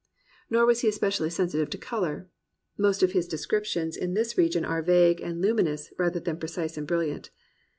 Nor was he especially sensitive to colour. Most of his descriptions in this region are vague and luminous, rather than precise and brilliant.